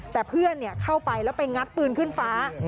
แต่เพื่อนเข้าไปแล้วไปงัดปืนขึ้นฟ้า